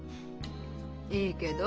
いいけど。